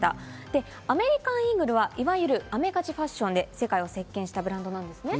で、アメリカンイーグルはいわゆるアメカジファッションで世界を席巻したブランドなんですね。